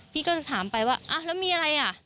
พี่ก็ถามไปว่าแล้วมีอะไร